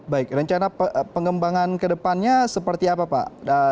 baik rencana pengembangan ke depannya seperti apa pak